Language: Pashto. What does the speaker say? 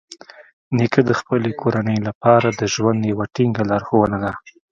نیکه د خپلې کورنۍ لپاره د ژوند یوه ټینګه لارښونه ده.